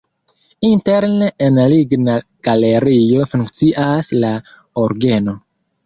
Interne en ligna galerio funkcias la orgeno.